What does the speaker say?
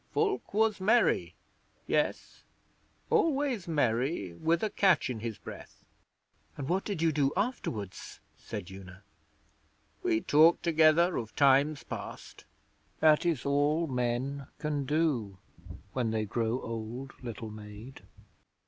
Fulke was merry. Yes, always merry with a catch in his breath.' 'And what did you do afterwards?' said Una. 'We talked together of times past. That is all men can do when they grow old, little maid.'